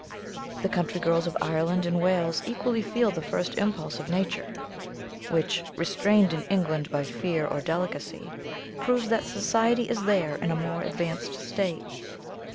The country girls of Ireland and Wales equally feel the first impulse of nature, which, restrained in England by fear or delicacy, proves that society is there in a more advanced state.